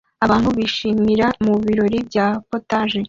Abantu bishimisha mubirori bya POTAGE